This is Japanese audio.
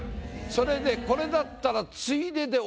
それでこれだったらあれ？